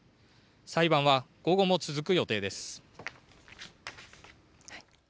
裁判は午後も続く予定です。